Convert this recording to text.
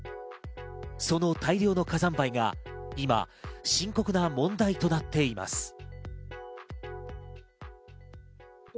その大量の火山灰が今、深刻な問題となっています。